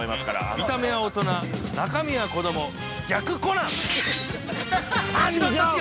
◆見た目は大人、中身は子ども、逆コナン！◆参上！